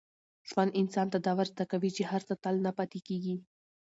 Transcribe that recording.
ژوند انسان ته دا ور زده کوي چي هر څه تل نه پاتې کېږي.